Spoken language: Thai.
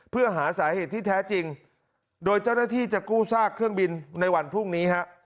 เพื่อหาสาเหตุที่แท้จริงโดยเจ้าหน้าที่จะกู้ซากเครื่องบินในวันพรุ่งนี้ฮะ